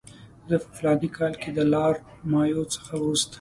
زه په فلاني کال کې د لارډ مایو څخه وروسته.